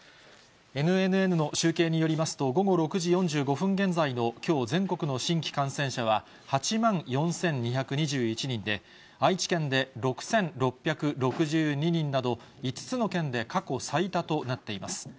ＮＮＮの集計によりますと、午後６時４５分現在のきょう全国の新規感染者は８万４２２１人で、愛知県で６６６２人など、５つの県で過去最多となっています。